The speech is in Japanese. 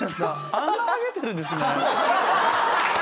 あんなはげてるんですね。